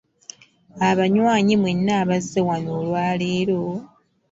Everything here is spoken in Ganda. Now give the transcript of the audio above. Abanywanyi mwenna abazze wano olwa leero.